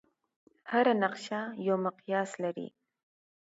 هره نقشه یو مقیاس لري.